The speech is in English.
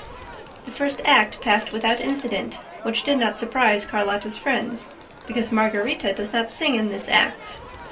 The first act passed without incident, which did not surprise Carlotta's friends, because Margarita does not sing in this act.